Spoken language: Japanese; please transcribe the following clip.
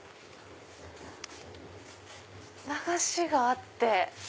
流しがあって。